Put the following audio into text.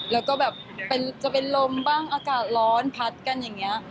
แล้วก็แบบจะเป็นลมบ้างอากาศร้อนพัดกันอย่างนี้